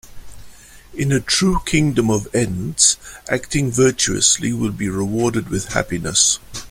In a true Kingdom of Ends, acting virtuously will be rewarded with happiness.